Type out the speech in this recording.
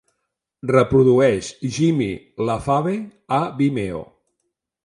Reprodueix Jimmy Lafave a Vimeo.